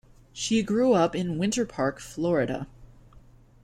She grew up in Winter Park, Florida.